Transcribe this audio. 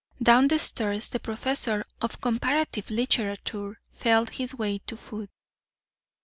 Down the stairs the professor of Comparative Literature felt his way to food.